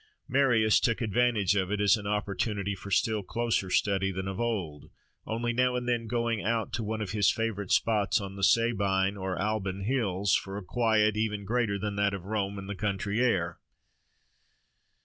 Marius took advantage of it as an opportunity for still closer study than of old, only now and then going out to one of his favourite spots on the Sabine or Alban hills for a quiet even greater than that of Rome in the country air.